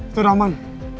itu udah aman